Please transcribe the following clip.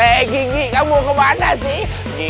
hei gigi kamu mau ke mana sih